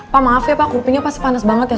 pak maaf ya pak kopinya pasti panas banget ya